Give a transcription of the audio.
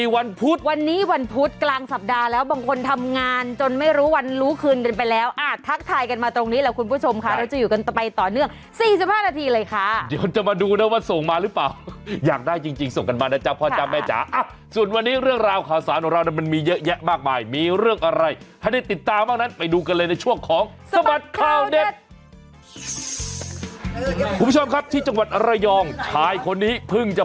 วันพุธวันนี้วันพุธกลางสัปดาห์แล้วบางคนทำงานจนไม่รู้วันรู้คืนกันไปแล้วอ่ะทักทายกันมาตรงนี้แล้วคุณผู้ชมค่ะเราจะอยู่กันต่อไปต่อเนื่องสี่สิบห้านาทีเลยค่ะเดี๋ยวจะมาดูนะว่าส่งมาหรือเปล่าอยากได้จริงจริงส่งกันมานะจ๊ะพ่อจ๊ะแม่จ๊ะอ่ะส่วนวันนี้เรื่องราวขาวศาลของเรานั้นมันมีเยอะ